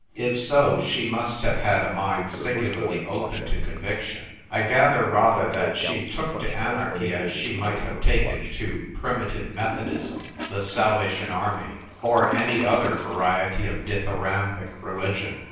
If so, she must have had a mind singularly open to con viction. I gather rather that she took to anarchy as she might have taken to Primi tive Methodism, the Salvation Army, or any other variety of dithyrambic religion.